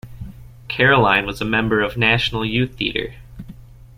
Caroline was a member of National Youth Theatre.